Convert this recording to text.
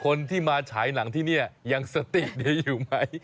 คนที่มาฉายหลังที่นี่ยังสติดีอยู่ไหม